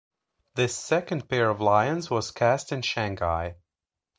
This second pair of lions was cast in Shanghai.